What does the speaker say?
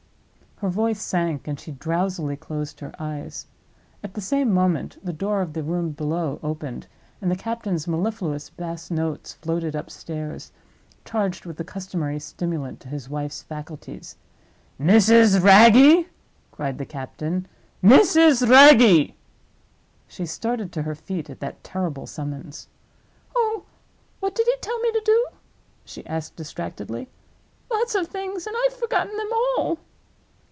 Her voice sank, and she drowsily closed her eyes. At the same moment the door of the room below opened, and the captain's mellifluous bass notes floated upstairs, charged with the customary stimulant to his wife's faculties. "Mrs. Wragge!" cried the captain. "Mrs. Wragge!" She started to her feet at that terrible summons. "Oh, what did he tell me to do?" she asked, distractedly. "Lots of things, and I've forgotten them all!"